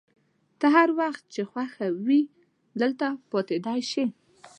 ته هر وخت چي خوښه وي دلته پاتېدای شې.